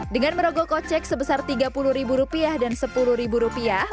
dengan merogoh kocek sebesar tiga puluh ribu rupiah dan sepuluh ribu rupiah